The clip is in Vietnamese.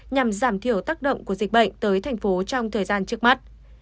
nhằm giảm thiểu tác động của dịch bệnh tới thành phố trong thời gian trước mắt